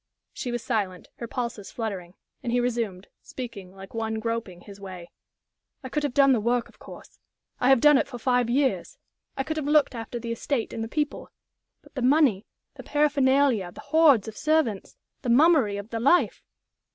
She was silent, her pulses fluttering, and he resumed, speaking like one groping his way: "I could have done the work, of course I have done it for five years. I could have looked after the estate and the people. But the money, the paraphernalia, the hordes of servants, the mummery of the life!